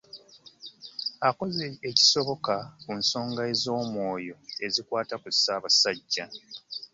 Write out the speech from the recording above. Akoze ekisoboka ku nsonga ez'omwoyo ezikwata ku ssaabasajja.